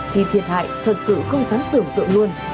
thì thiệt hại thật sự không dám tưởng tượng luôn